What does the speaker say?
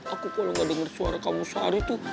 aku kalo gak denger suara kamu sehari tuh